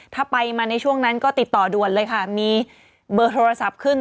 ถ้าไปมาในช่วงนั้นก็ติดต่อด่วนเลยค่ะมีเบอร์โทรศัพท์ขึ้น